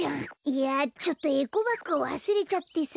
いやちょっとエコバッグをわすれちゃってさ。